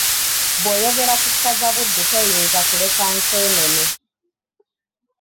Bw’oyogera ku ssaza Buddu toyinza kuleka Nseenene.